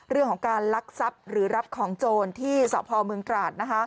เรื่องของการลักทรัพย์หรือรับของโจรที่สพเมืองตราด